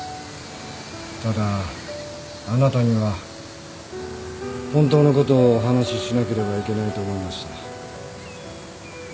ただあなたには本当のことをお話ししなければいけないと思いました。